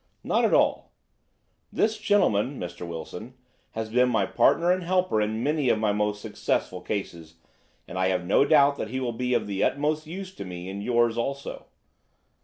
"Not at all. This gentleman, Mr. Wilson, has been my partner and helper in many of my most successful cases, and I have no doubt that he will be of the utmost use to me in yours also."